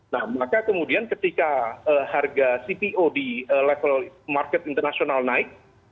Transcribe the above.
nah maka kemudian ketika harga cpo di level market internasional naik